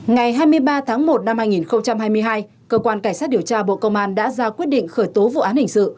ngày hai mươi ba tháng một năm hai nghìn hai mươi hai cơ quan cảnh sát điều tra bộ công an đã ra quyết định khởi tố vụ án hình sự